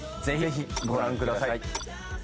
ぜひご覧ください。